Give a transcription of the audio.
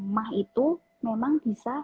mah itu memang bisa